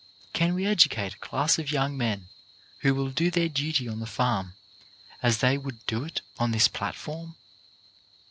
Can we edu cate a class of young men who will do their duty on the farm as they would do it on this platform